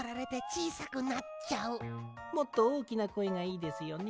もっとおおきなこえがいいですよね？